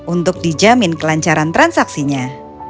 untuk dijamin kelancaran transaksinya